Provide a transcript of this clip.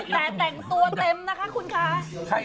แต่แต่งตัวเต็มนะคะคุณคะ